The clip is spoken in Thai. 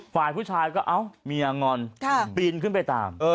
ฝ่ายผู้ชายก็เอ้าเมียงอนปีนขึ้นไปตาม